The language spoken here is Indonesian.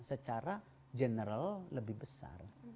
secara general lebih besar